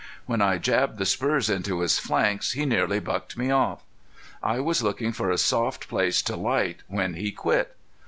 When I jabbed the spurs into his flanks he nearly bucked me off. I was looking for a soft place to light when he quit.